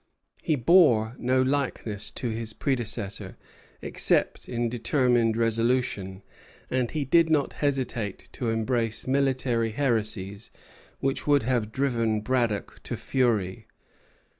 He bore no likeness to his predecessor, except in determined resolution, and he did not hesitate to embrace military heresies which would have driven Braddock to fury.